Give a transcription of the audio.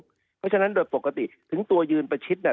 เพราะฉะนั้นโดยปกติถึงตัวยืนประชิดเนี่ย